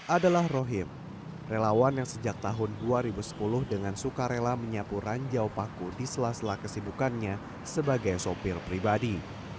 adalah rohim relawan yang sejak tahun dua ribu sepuluh dengan suka rela menyapu ranjau paku di sela sela kesibukannya sebagai sopir pribadi